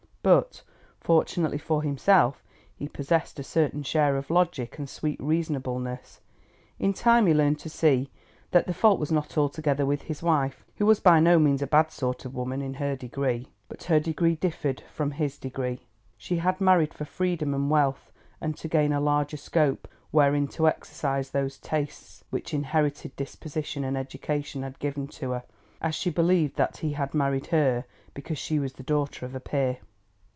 But, fortunately for himself, he possessed a certain share of logic and sweet reasonableness. In time he learnt to see that the fault was not altogether with his wife, who was by no means a bad sort of woman in her degree. But her degree differed from his degree. She had married for freedom and wealth and to gain a larger scope wherein to exercise those tastes which inherited disposition and education had given to her, as she believed that he had married her because she was the daughter of a peer.